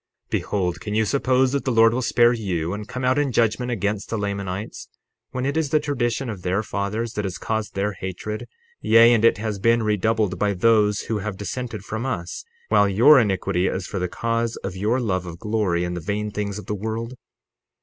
60:32 Behold, can you suppose that the Lord will spare you and come out in judgment against the Lamanites, when it is the tradition of their fathers that has caused their hatred, yea, and it has been redoubled by those who have dissented from us, while your iniquity is for the cause of your love of glory and the vain things of the world?